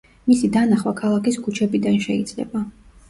მისი დანახვა ქალაქის ქუჩებიდან შეიძლება.